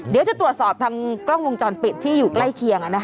เดี๋ยวจะตรวจสอบทางกล้องวงจรปิดที่อยู่ใกล้เคียง